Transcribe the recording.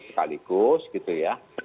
sekaligus gitu ya